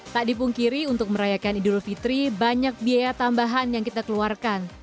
tak dipungkiri untuk merayakan idul fitri banyak biaya tambahan yang kita keluarkan